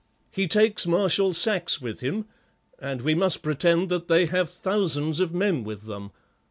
He takes Marshal Saxe with him, and we must pretend that they have thousands of men with them.